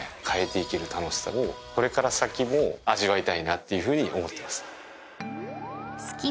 変えて行ける楽しさをこれから先も味わいたいなっていうふうに思ってます。